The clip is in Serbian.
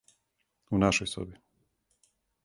У нашој соби.